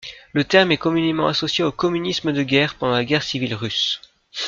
Le terme est communément associé au communisme de guerre pendant la guerre civile russe.